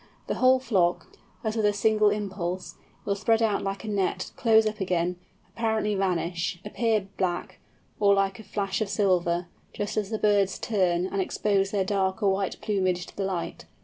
The whole flock, as with a single impulse, will spread out like a net, close up again, apparently vanish, appear black, or like a flash of silver, just as the birds turn and expose their dark or white plumage to the light.